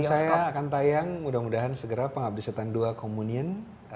film saya akan tayang mudah mudahan segera pengabdisan dua komunion